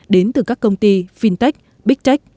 đến từ các công ty fintech bigtech